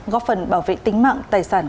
góp phần bảo vệ tính mạng tài sản